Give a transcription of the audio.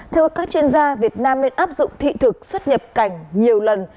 theo các chuyên gia việt nam nên áp dụng thị thực xuất nhập cảnh nhiều lần